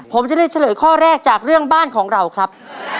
ผมจะเลือกเฉลยข้อแรกจากเรื่องบ้านของเราครับ